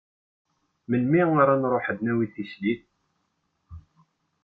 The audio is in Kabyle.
Melmi ara nruḥ ad d-nawi tislit?